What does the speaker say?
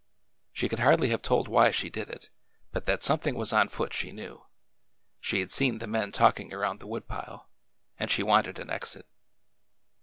She could hardly have told why she did it, but that something was on foot she knew,— she had seen the men talking around the wood pile, — and she wanted an exit.